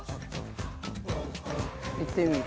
◆行ってみる？